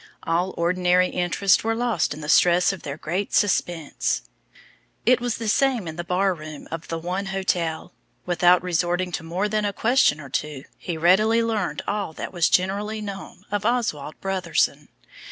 All ordinary interests were lost in the stress of their great suspense. It was the same in the bar room of the one hotel. Without resorting to more than a question or two, he readily learned all that was generally known of Oswald Brotherson.